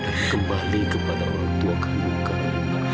dan kembali kepada orang tua kandung kamu